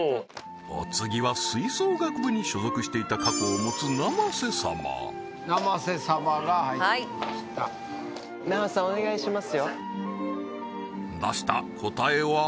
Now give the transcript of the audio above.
お次は吹奏楽部に所属していた過去を持つ生瀬様生瀬様が入ってきました出した答えは？